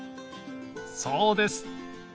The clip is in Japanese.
そうです。